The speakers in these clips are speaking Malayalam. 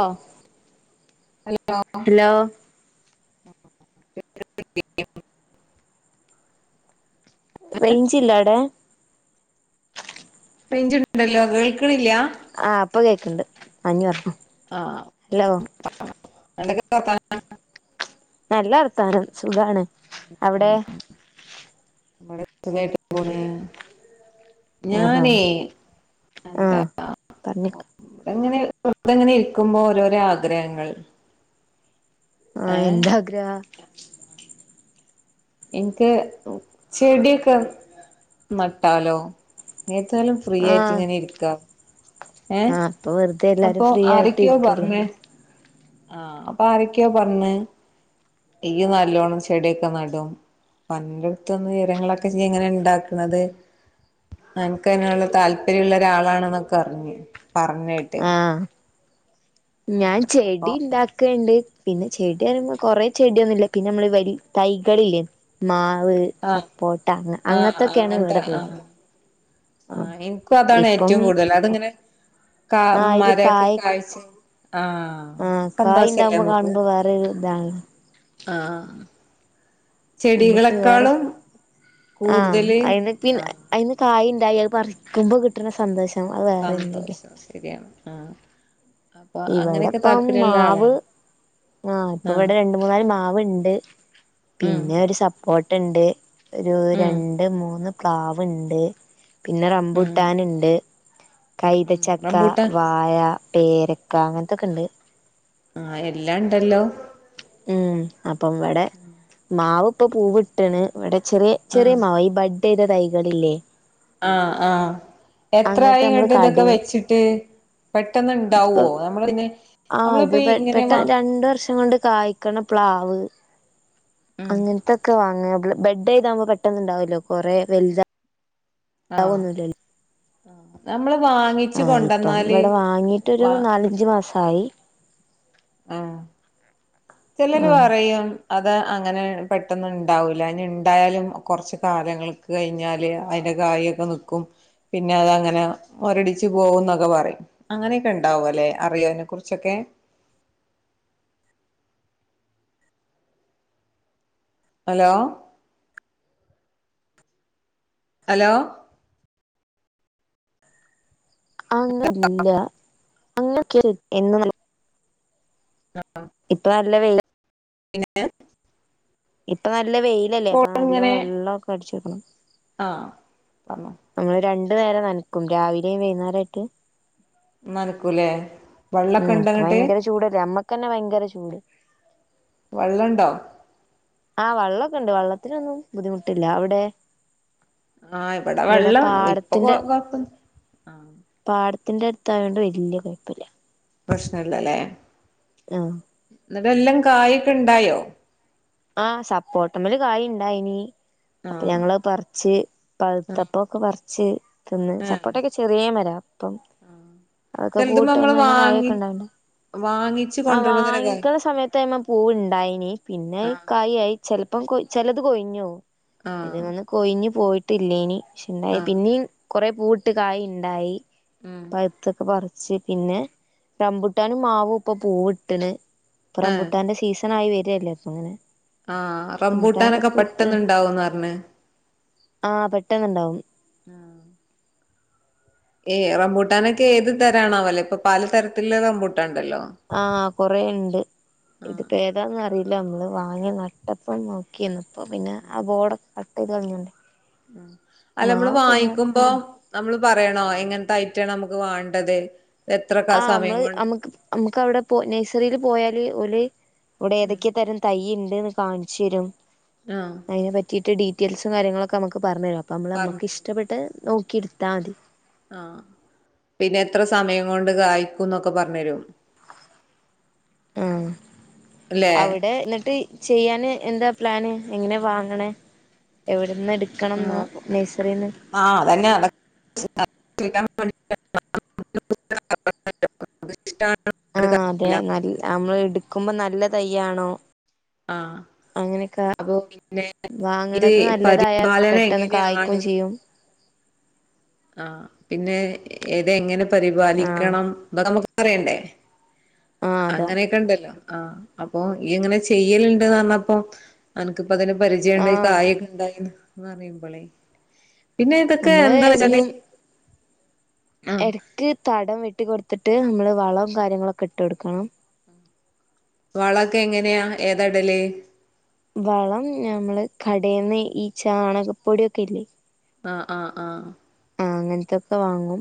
ആ ഹലോ റേഞ്ച് ഇല്ല അവിടെ റേഞ്ചുണ്ടല്ലോ കേൾക്കണില്ല? ആ ഇപ്പ കേക്ണ്ട് ആ ഞ്ഞി പറഞ്ഞോ ആഹ് ന്താ വർത്താനം നല്ല വർത്താനം സുഖാണ് ഉം, അവിടെ ഇവിടെ സുഖായിട്ട് പോണ്. ആ ആ ഞാനേ ആ എന്താ പറഞ്ഞ എങ്ങനെ വെർതങ്ങനെ ഇരിക്കുമ്പോ ഓരോരോ ആഗ്രഹങ്ങൾ ഏ ആഹ് എന്താ ആഗ്രഹ എനിക്ക് ചെടിയൊക്കെ നട്ടാലോ? ഇനിയേതാലും ഫ്രീ ആ ആയിട്ട് ഇങ്ങനെ ഇരിക്കാം ഏ ആ ഇപ്പൊ വെറുതെ അപ്പൊ എല്ലാരും ഫ്രീ ആയിട്ട് ആരൊക്കെയോ ഇരിക്കല്ലേ പറഞ്ഞു ആഹ് അപ്പൊ ആരൊക്കോ പറഞ്ഞു ഇയ്യ് നല്ലോണ്ണം ചെടിയൊക്കെ നടും അപ്പോ അന്റടുത്തന്ന് വിവരങ്ങളൊക്കെ ഇജ്ജ് എങ്ങനെ ഇണ്ടാക്കണത് എനക്ക് അങ്ങെയുള്ള താല്പര്യമുള്ള ഒരാളാണെന്നൊക്കെ പറഞ്ഞു. പർഞ്ഞേട്ട് ആ ഞാൻ ചെടി ഇണ്ടാക്ക്ണ്ട് പിന്നെ ചെടിറിമ്പം കൊറെേ ചെടിയൊന്നുല്ല പിന്നെ നമ്മള് ഈ വരി തൈകളില്ലേ മാ ആ ആ അങ്ങൻത്ത ആ ഇവിടെള്ളത് ആ എനിക്കും അതാണ് ഇപ്പം ഏറ്റവും കൂടുതൽ അതിങ്ങനെ കാ ആ അതില് മരൊക്കെ കായ കാഴ്ച്ച് ആ കായ് ഇണ്ടാവ്മ്പ കാണുമ്പോ വേറെരു ഇതാണ് ആഹ് മ്മക്ക് വേറെ ചെടികളെക്കാളും ആ കൂടുതല് അയില് പിന് ആഹ് അയിന്ന് കായ് ണ്ടായി അത് പറിക്ക്മ്പ കിട്ട്ണ സന്തോഷം അത് വേറെന്നെല്ലേ സന്തോഷം ശെരിയാണ് ആ അപ്പൊ അങ്ങനെയൊക്കെ താല്പര്യല്ല ആളാണ് ആ ആഹ് ഇപ്പിവിടെ രണ്ടു മൂന്നാല് മാവ്ണ്ട് ഉം പിന്നെ ഒരു സപ്പോ ട്ടണ്ട് ഒരു ഉം രണ്ട് മൂന്ന് പ്ലാവ്ണ്ട് പിന്നെ ഉം റമ്പൂട്ടാന്ണ്ട് ഉം കൈതച്ചക്ക റംബൂട്ടാൻ വായ പേരക്ക അങ്ങനത്തൊക്കെണ്ട് ആ എല്ലാം ണ്ടല്ലോ ഉം അപ്പംവിടെ മാവ് ഇപ്പൊ പൂവിട്ടണ് ഇവിടെ ചെറിയ ചെറിയ മാവായി ബൈ- പട്ടേയുടെ [unintelligible] തൈകളില്ലേ ആ ആ അങ്ങനത്തെ നമ്മള് എത്രയിങ്ങാട്ട് കട ഇതൊക്കെ വെച്ചിട്ട് ഇതിപ്പോ പെട്ടെന്ന്ണ്ടാവോ നമ്മള ഇന്നെ ആഹ് ഇത് നമ്മളിപ്പോ ഇങ്ങനെ വാ- പിന്നെ പ്ലാവ് ആഹ് അങ്ങിനട്തൊക്കെ വാങ്ങമ്പ്ള് ബെഡേയ്താകുമ്പോൾ പെട്ടെന്നുണ്ടാവല്ലോ കുറേ വലുത- അ ഒന്നുംല്ലലി [unintelligible] ആ അത് നമ്മള- ആ ഇപ്പം ഇവിടെ വാങ്ങീട്ടൊരു വാ നാലഞ്ചു മാസയി- ആ ചിലര് ആഹ് പറയും അത് അങ്ങനെ പെട്ടന്നുണ്ടാവൂല്ല ഇനി ഉണ്ടായാലും കുറച്ച് കാലങ്ങൾക്ക് കഴിഞ്ഞാല് അതിന്റെ കായൊക്കെ നിക്കും പിന്നെ അതങ്ങനെ മുരടിച്ചു പോവും എന്നൊക്കെ പറയും അങ്ങനെയൊക്കെ ഉണ്ടാവുല്ലെ അറിയോതിനെ കുറിച്ചൊക്കെ ഹലോ ഹലോ അങ്ങ [unintelligible] ല്ല [inaudible] വെയില [unintelligible] നെ ഇപ്പൊ നല്ല വെയിലല്ലേ അപ്പൊ നല്ല വെള്ളൊക്കെ അടിച്ചോക്കണം തന്ന നമ്മൾ രണ്ടു നേരം നനക്കും രാവിലെയും വൈന്നേരാട്ട് നനകൂല്ലേ ഉം ഇപ്പ ഭയങ്കര ചൂടല്ലേ അമ്മക്കെന്നെ ഭയങ്കര ചൂട് വെള്ളണ്ടോ ആ വള്ളൊക്കണ്ട് വള്ളത്തിനൊന്നും ബുദ്ധിമുട്ടില്ല അവിടെ ആ ഇവിടെ വെള്ളം ഇപ്പൊ കൊ കൊഴ്പ്പന്ന് ആ തിന്റെ എട്ത്തായോണ്ട് വല്ല്യ കൊഴപ്പില്ല പ്രശ്ന്നല്ലലേ ആഹ് എന്നിട്ടെല്ലം കായിക്കെണ്ടായോ ആ സപ്പോട്ടമ്മല് കായിണ്ടായിനി അപ്പൊ ആഹ് ഞങ്ങള് അഅ് പർച്ച് ആഹ് പഴുത്തപ്പൊക്കെ പർ ച് തിന്ന് ഏഹ് സപ്പോട്ടൊക്കെ ചെറിയ മര അപ്പം അതൊക്കെ ചെലതുമ്മെ നമ്മള് പൂവ്ട്ടേമ്മെന്നെ വാങ്ങി കായൊക്കെ ഇണ്ടാവണ്ടേ വാങ്ങിച്ച് ആ കൊണ്ടരുമ്പോ തന്നെ കായ് വാങ്ങിക്ക്ണ സമയത്തയ്‌മെ പൂവ് ഇണ്ടായിനി പിന്നെ ആഹ് ചെൽപ്പം കൊയ് ചെൽത് കൊയിഞ്ഞോവും ഇത് ആഹ് വന്ന് കൊയിഞ് പോയി ട്ടില്ലീനി പക്ഷെണ്ടായി ആഹ് പിന്നിം കൊറേ പൂവ്ട്ട് കായിണ്ടായി ഉം പഴുത്തൊക്കെ പറി ച് പിന്നെ റംമ്പൂട്ടാനും മാവും ഇപ്പൊ പൂവ്ട്ട്ണ് പ്പ റംമ്പൂട്ടാന്റെ സീസണായി വെ രല്ലേ അപ്പൊങ്ങനെ ആ റംമ്പൂട്ടാനൊക്കെ പെട്ടന്ന്ണ്ടാവുന്ന് ന്നർഞ്ഞ് ആ പെട്ടെന്ന്ണ്ടാവും ഏ റമ്പൂട്ടാനൊക്കെ ഏത് തരാണാവലേ ഇപ്പൊ പലതരത്തില് റമ്പൂട്ട് ആ കൊറേണ്ട് ആഹ് ഇതിപ്പൊ ഏതാന്ന് അറീ ല്ല നമ്മള് വാങ്ങി നട്ടപ്പം നോക്കിന്ന് അപ്പൊപിന്നെ ആ ബോർഡ് കട്ടയ്ത് കളഞ്ഞോണ്ടേ ഉം അല്ല അമ്മള് വായിക്കുമ്പോ നമ്മള് പറയണോ എങ്ങൻത്തെ ഐറ്റാണ് നമക്ക് വെണ്ടത് ആ അമ്മള് അമ്മക്ക് അമക്ക് അവടെ പൊ നഴ്സറീല് പോയാല് ഓല് ഇവിടെ ഉം ഏതൊക്കെ തരം തൈയ് ണ്ട്ന്ന് കാൺച്ചെരും ആഹ് അയിനെ പറ്റിയിട്ട് ഡി ഡീറ്റെൽസും കാര്യങ്ങളൊക്കെ അമക്ക് പർഞ്ഞരോ അപ്പോമ്മള് മ്മക്ക് പറഞ്ഞ് ഇഷ്ടപ്പെട്ട് നോക്കി ട്ത്താ മതി ആ പിന്നെ എത്ര സമയം കൊണ്ട് കായ്ക്കുംന്നൊക്കെ പറഞ്ഞു തരും ആ അല്ലേ അവിടെ എന്നിട്ട് ചെയ്യാന് എന്താ പ്ലാന് എങ്ങനെ വാങ്ങ്ണെ എവിടെ ആ ആ അതന്നെ നട [unintelligible] [unintelligible] ആഹ അതെ ന നമ്മള് എടുക്കുമ്പോ നല്ല തയ്ആണോ അങ്ങനെ ഒകൊ അപ്പോൾപിന്നെ ഇത് നല്ലതായ പരിപാലനം പെട്ടെന്ന് കായ്ക്കും എങ്ങനെയാണ് ചെയ്യും ആ പിന്നെ ഏത എങ്ങനെ ആഹ് പരിപാലിക്കണം ഇവടെ നമു പറയണ്ടേ ആഹ് അതാ അങ്ങനെയൊക്കെ ഉണ്ടല്ലോ ആഹ അപ്പൊ ഇയ്ങ്ങനെചെയ്യലുണ്ട്ന്ന് പറഞ്ഞപ്പോ അനക്ക് അപ്പ അതിന് പരിചയംണ്ട ങ്കിൽ ആഹ് കായൊക്കെ ഉണ്ടായിന്ന് പറയുമ്പോളെ പിന്നെ ഇതൊക്കെ എന്താണ് ഒന്നും എടുക്ക് തടം വിട്ട്കൊടു എടുത്തിട്ട് നമ്മള് വളവും കാര്യങ്ങളൊക്കെ ഇട്ട് കൊടുക്കണം വളൊക്കെ എങ്ങനെയാ ഏത ഇടല് വളം നമ്മള് കടയിന്ന് ഈ ചാണകപ്പൊടിയൊക്കെ ഇല്ലേ ആ ആ ആ ആഹ അങ്ങനത്തൊക്കെ വാങ്ങും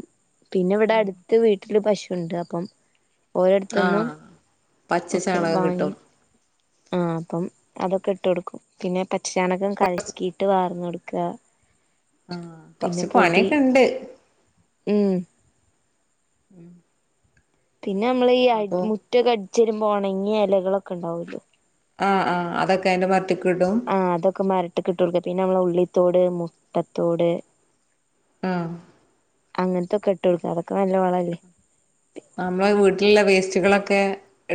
പിന്നെ ഇവിടെ അടുത്ത് വീട്ടിൽ വീട്ടില് പശുണ്ട് അപ്പം ആ ഓരിോടത്തൊന്നും പച്ച ഒക്ക ചാണകം വാങ്ങി കിട്ടും ആഹ അപ്പം അതൊക്കെ ഇട്ട് കൊടുക്കും പിന്നെ പച്ച ചണക്കെ കലകിയിട്ട് വാർന്ന്കൊടുക്കുക ആഹ കൊറച്ച് പണിയൊക്കെ ഇണ്ട് മം ഉം പിന്നെ നമ്മള ഈ അ മുറ്റൊക്കെ ഉചെരുമ്പോ ഉണങ്ങിയ ഇലകളൊക്കെ ഉണ്ടാവല്ലോ ആഹ് ആഹ്തൊക്കെ അതിന്റെ മരറ്റ് ആഹ് അതൊക്കെ മരട്ടിട്ടർക്ക പിന്നെ നമ്മ ഉള്ള ത്തോട് മുട്ടത്തോട് ആഹ അങ്ങനത്തൊക്കെ ഇട്ട് കൊടുക്ക അതൊക്കെ നല്ല വളല്ലേ നമ്മള് വീട്ടിലുള്ള വേസ്റ്റുകളൊക്കെ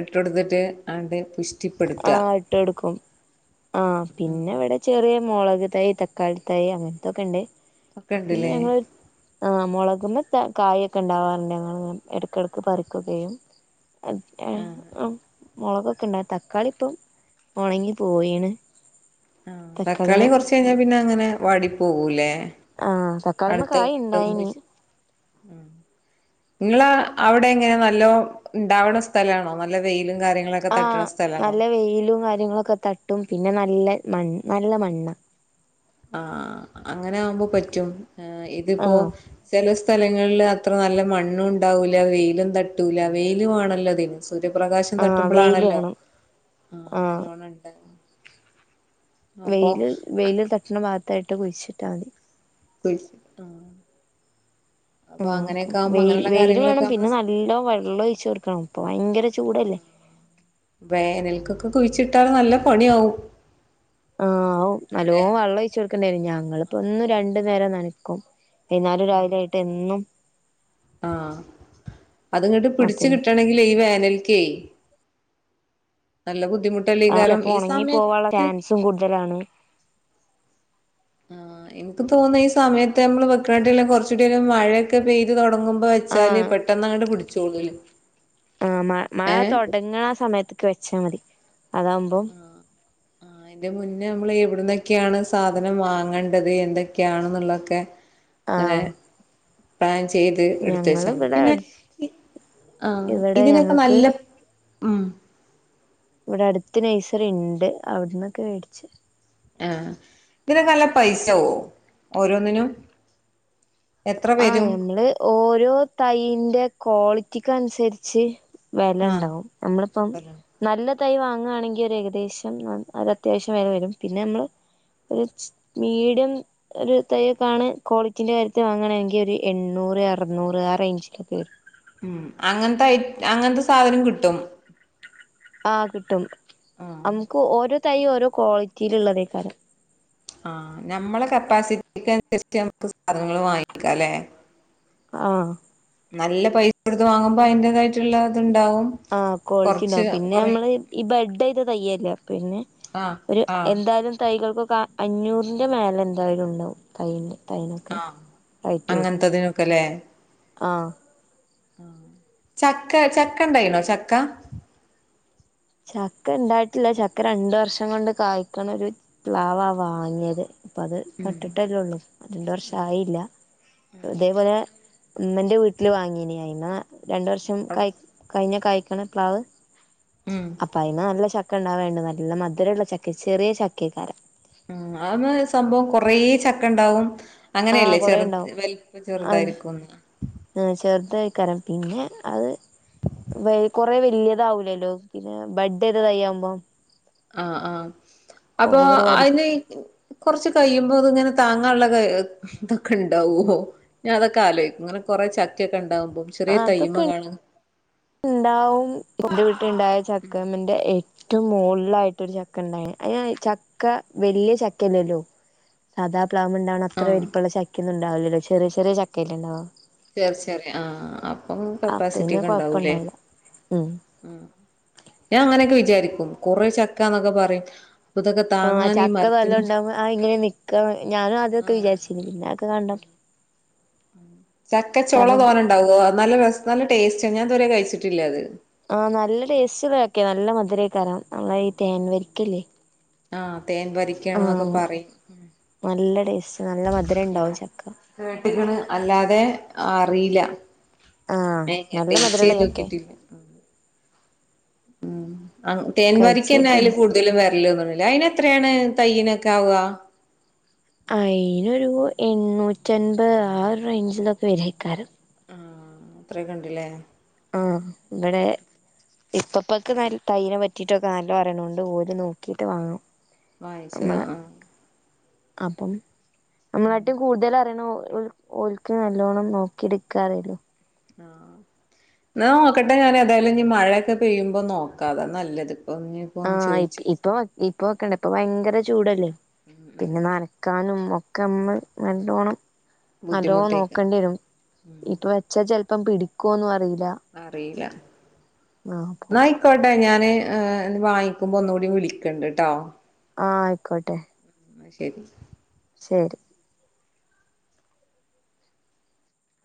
ഇട്ട കൊടുത്തിട്ട് അണ്ട് ആഹ് ഇട്ട് എടുക്കും ആ ഉം പിന്നെ ഇവിടെ ചെറിയ മുളക് ത് തക്കാളി തായി് അങ്ങനത്തൊക്കെ ഉണ്ട് ഒക്കെ പിന്നെ ഉണ്ടല്ലേ ഞങ്ങരു ആ് മുളക് ന കായൊക്കെ ഉണ്ടാവാറുണ്ട് അ എടക്കടുക്ക പറിക്കുകയും മുളകൊക്കെണ്ട ക്കാളി ഇപ്പം ഉണങ്ങി പോയിണ് ആ തക്കാളി തക്കാളിമ്മെ കുറച്ച് കഴിഞ്ഞാൽ പിന്നെ അങ്ങനെ വടിപ്പകൂല ആഹ തക്കാളിമ്മ കായ ഇണ്ടായിന നിങ്ങള് അവിടെ എങ്ങനെ നല്ലോ ഉണ്ടാവുന്ന സ്ഥലാണോ നല്ല വെ ആഹ നല്ല വെയിലും കാര്യങ്ങളൊക്കെ തട്ടും പിന്നെ ന നല്ല മണ് നല്ല മണ്ണ ആ അങ്ങനെ ആകുമ്പോ പറ്റും ആ ഇതിപ്പോ ആഹ് ചെല സ്ഥലങ്ങളിൽ അത്ര നല്ല മണ്ണും ഉണ്ടാവൂല്ല വെയിലും തട്ടൂല്ല വെയിലു ആണല്ലോ അതിന് സൂര്യപ്രകാശം ആഹ് വെയില് തട്ടുമ്പോളാണല്ലോ വേണം ആ നല്ലോണം ഉണ്ട് വെയിലിൽ അ വെയിലിൽ തട്ടണ മാ പത്തായിട്ട് കുഴിച്ചിട്ടാൽ മതി ശ ആ ആ അ വെയിൽ വെയിൽ വേണം പിന്നെ നമ്മള് നല്ല വെള്ളം ഒഴിച്ചു കൊടുക്കണം ഇപ്പൊ ഭയങ്കര ചൂടല്ലേ കുഴിച്ചിട്ടാല് നല്ല പണിയാവും ആ ആവും ല്ലെ നല്ലോണം വെള്ളം ഒഴിച്ചു കൊടു ണ്ടായി ഞങ്ങള് ഇപ്പ ഒന്നും രണ്ടു നേരം നനക്കും പതിനാല രാവിലെ ആയിട്ട് എന്നും ആ അത്ങ്ങോട്ട് ആഹ് പിടിച്ച് പിന്നെ കിട്ടണെങ്കിൽ ഈ വേനൽക്കേ നല്ല ബു അപ്പോ ഉണങ്ങി പോവാനുള്ള ചാൻസും കൂടുതലാണ് ആ എനിക്ക് തോന്നുന്ന ഈ സമയത്ത് നമ്മള് വെക്കാട്ടെല്ലാം കൊറച്ചടിലും മഴയൊക്കെ പെയ്തു തുടങ്ങു അ വെചാല് പെട്ടന്നങ്ങട്ട് പിടിച്ചോളൂലും ആ മ മഴ തൊടങ്ങണ സമയതേക്കു വെച്ചാ മതി അതാവുമ്പം അതിന്റെ മുന്നേ നമ്മള് എവിടുന്നൊ ക്കാണ് സാധനം വാങ്ങേണ്ടത് എന്തൊക്കെയാണ്ന്നുള്ളൊക്കെ ങ്ങനെ ആഹ് പ്ലാൻ ചെയ്ത് എടുത്ത് ഞങ്ങള് വെച്ചാമതി ഇവിടെ പിന്നെ അട് ഇ ആ ഇവിടെ ഇതിനൊക്കെ ഞങ്ങക്ക് നല്ല ആ ഇവിടെ അടുത്ത് നഴ്സറി ഇണ്ട് അവിടന്നൊക്കെ മേടിച്ചു ആഹ് ഇതിനൊക്കെ നല്ല പൈസാവോ ഓരോന്നിനും എത്ര ആ വരും നമ്മള് ഓരോ തൈന്റെ ക്വാളി റ്റിക്കനുസരിച്ച് വെല ആഹ് ഇണ്ടാവും നമ്മളിപ്പം നല്ല തൈ വാങ്ങണെങ്കിൽ ഒരു ഏകദേശം അ അത ത്യാവശ്യം വെല വരും പിന്നെ നമ്മള് ഒരു മീഡിയം ഒരു തൈയൊക്കാണ് ക്വാളിറ്റീന്റെ കാര്യത്തിൽ വാങ്ങണെങ്ക ഒരു എണ്ണൂറ് അറുനൂറ് ആ റേഞ്ചിലൊക്കെ വരും ഉം അങ്ങനത്തെഐ അങ്ങനത്തെ സാധനം കിട്ടും ആഹ് കിട്ടും ആഹ് നമുക്ക് ഓരോത് തൈ ഓരോ ക്വാളിറ്റിയിലുള്ളതേ ക്കാര ആഹ് നമ്മളെ കപ്പാസിറ്റിക്ക് അനുസരിച്ച് നമ്മക്ക് സാധനങ്ങള് വാങ്ങിക്കാലേ ആഹ് നല്ല പൈസ കൊടുത്ത് വാങ്ങുമ്പോ അതിന്റേതായിട്ടുള്ള അത്ണ്ട് ആഹ് ക്വാളിറ്റി ഇണ്ടാവും പിന്നെ നമ്മള് ഈ ബഡ്യ്ത തൈയല്ലേ പിന്നെ ആഹ് ഒരു ആഹ് എന്തായാലും തൈകൾക്കൊ ക്ക അഞ്ഞൂറിന്റെ മേലെ എന്തായാലും ഉണ്ടാവുംതൈന് ആഹ് അങ്ങനത്തതിനൊക്കെല്ലേ ആ ചക്ക ചക്ക ഇണ്ടായിണോ ചക്ക ചക്ക ഇണ്ടായിട്ടില്ല ചക്ക രണ്ട് വർഷം കൊണ്ട് കായ്ക്കണ ഒരു പ്ലാവാ വാങ്ങ്യത് അപ്പ അത് ഉം നട്ടിട്ടല്ലേള്ളൂ രണ്ട് വർഷായില്ല ഇതേപോലെ ഇമ്മന്റെ വീട്ടില് വാങ്ങീനിയായിന്ന രണ്ട് വർഷം കയ് കഴിഞ്ഞ കായ് [unintelligible] പ്ലാവ് ഉം അപ്പ അയിന് നല്ല ശക്‌ ഒക്കെ ഉണ്ടാവേണ്ടെ നല്ല മധുരള്ള ചക്ക ചെറിയ ചക്കേക്കാരൻ ഉം അതുമേ സംഭവം കൊറെ ചക്ക ഇണ്ടാവും ആഹ് അങ്ങനല്ലേ കൊറേ ചെറുത് വലുപ്പ ചെറുതായിരിക്കുംന്ന് ഇഹ് ചെറുത് കരം പിന്നെ അത് വൈ കൊറെ വലിതാവുല്ലല്ലോ പിന്നെ ബഡ്യ്തതൈയാകുമ്പോ ആആ അപ്പൊ വലു അയ്ന് കൊറച്ച് കയും അ അത് ഇങ്ങനെ താങ്ങാനുള്ള ഇതൊക്കെ ഉണ്ടാവോ? ഞാൻ അതൊക്കെ ആലോചിക്കും. അങ്ങനെ കുറെ ചക്കയൊക്കെ ഉണ്ടാവും. ചെറിയ തെയ്ന്മ കാണ് ഇണ്ടാവും വീട്ടിണ്ടായ ചക്കാമ്മന്റെ ഏ ഏറ്റവും മുകളായിട്ടരു ചക്ക ഉണ്ടായി. ചക്ക വലിയ ചക്കയല്ലല്ലോ അതാ [unintelligible] ഉണ്ടാവുന്ന അത്ര ആഹ് വലപ്പുള്ള ചക്ക അല്ലല്ലോ. ഉണ്ടാവില്ലല്ലോ. ചെറിയ ചെറിയ ചക്കായിടെണ്ടാവ ചെറി ചെറിയ ആ അപ്പൊ അപ്പൊ കപ്പാസിറ്റി പിന്നെ ഒക്കെ ഉണ്ടാ വൂല്ലെ കൊഴപ്പണ്ടാവൂല ഉം ആ ഞാൻ അങ്ങനെക്കെ വി വിചാരിക്കും കുറെ ചക്കന്നൊക്കെ പറിം ആ ചക്ക നല്ലോം ഇണ്ടാവുമ്പ ആ എങ്ങനെ നിക്കാന്ന് ഞാനും ആദ്യ ഒക്കെ വിചാരിച്ചിനി പിന്നെ അയൊക്കെ കണ്ട ചക്കച്ചൊള തോനെ ഇണ്ടാകോ? നല്ല രസ നല്ല ടെസ്റ്റാ ഞാൻ ഇതുവെരെ കഴിച്ച് ട്ടില്ല അത്. ആഹ നല്ല ടെസ്റ്റ് ഇള്ള ചക്കെ നല്ല മധുരെയ്ക്കാരം നമ്മളെ ഈ തേൻ വരിക്ക ഇല്ലെ. ആ തേൻ വരിക്കയാണ് ന്നൊക്കെ പറിം ഉം നല്ല ടേസ്റ്റ് നല്ല മധുരം ഉണ്ടാവും ചക്ക കേട്ട്ക്ക്ണ് അല്ലാതെ അ അറീലാ ആഹ് ഏ ഞാൻ നല്ല ടെസ്റ്റ് മധുരള്ള ചെയ്ത് ചക്കയാ നോക്കിട്ടില്ല. ഉം ആ തേൻ വരിക്കെന്നെ അയിൽ കഴിച്ചോക്കണ്ടി കൂട്തലും വെർൽ തോന്ന്ണ്ലെ അയിന് എ എത്രയാണ് തയ്യിനൊക്കെ ആവാ. അയിനൊരു എണ്ണൂറ്റി അൻമ്പെ ആ ററെയ്ഞ്ചിലൊക്കെവെരെയ്ക്കാരം ആ അത്രയൊക്കെ ഇണ്ട് ലെ ആ ഇവിടെ ഇപ്പപ്പാക്ക് നല്ല തയ്യിനെ പറ്റിട്ടൊക്കെ നല്ലോം അറിണോണ്ട് ഓല് നോക്കിട്ട് വാങ്ങും. വാങ്ങിച്ചതാ നമ്മളെ ആ അപ്പം നമ്മളാട്ടിം കൂട്തെൽ അറിണെ ഓ ഓൾക്ക് നല്ലോണ്ണം നോക്കി എടുക്കാറീല്ല ആ എന്നാ നോക്കട്ടെ ഞാൻ ഏതായാലും ഇനി മഴയൊക്കെ പെയ്യുമ്പോ നോക്കാം അതാ നല്ലത്. ഇനിയിപ്പോ ഒന്ന് ആഹ് ചോയിച്ച് ഇപ്പൊ ഇപ്പൊ വെക്കണ്ട ഇപ്പ ഭയങ്കര. ചൂടല്ലേ. പിന്നെ നനക്കാനും. [unintelligible] നല്ലോണം. നല്ലോ ബുദ്ധിമുട്ടേക്കാ നോക്കേണ്ടി വരും. ഇപ്പ വെച്ച ചെ ഇപ്പം പിടിക്കോന്ന് അറി അറിയില്ല ആഹ് അപ്പം എന്നായിക്കോട്ടെ ഞാൻ ങ്ങ വാങ്ങിക്കുമ്പോ ഒന്ന് കൂടി വിളിക്കണ്ട് ട്ടോ ആഹ് ആയിക്കോട്ടെ ഉം ശരി ശരി